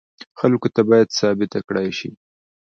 خلکو ته باید ثابته کړای شي.